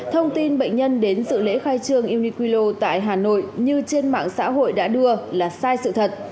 thông tin bệnh nhân đến sự lễ khai trương uniqlo tại hà nội như trên mạng xã hội đã đưa là sai sự thật